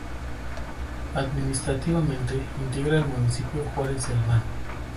Administrativamente, integra el municipio Juárez Celman.